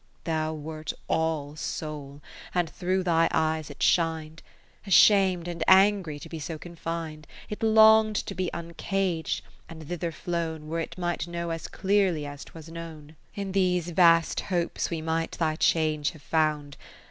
Thou wert all Soul, and through thy eyes it shin'd : Asham'd and angry to be so con fin'd, It long'd to be uncag'd, and thither flown Where it might know as clearly as 'twas known. In these vast hopes we might thy change have found.